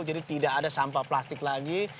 jadi tidak ada sampah plastik lagi